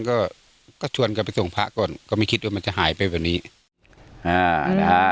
หลังจากนั้นก็ก็ชวนกันไปส่งพระก่อนก็ไม่คิดว่ามันจะหายไปแบบนี้อ่า